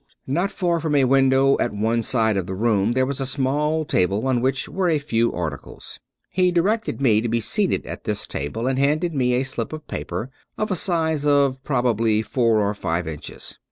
Not far from a window at one side of the room there was a small table on which were a few articles. He di rected me to be seated at this table, and handed me a slip of paper of a size of probably four by five inches.